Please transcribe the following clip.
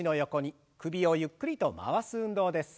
首をゆっくりと回す運動です。